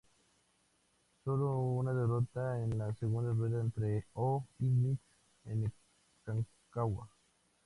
Sólo una derrota en la segunda rueda ante O'Higgins en Rancagua.